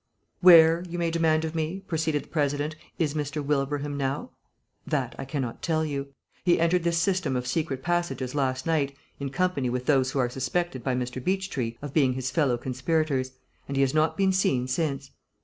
"Where, you may demand of me," proceeded the President, "is M. Wilbraham now? That I cannot tell you. He entered this system of secret passages last night in company with those who are suspected by Mr. Beechtree of being his fellow conspirators, and he has not been seen since.